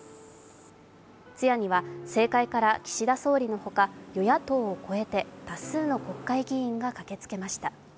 通夜には、政界から岸田総理のほか与野党を超えて多数の国会議員が駆けつけました。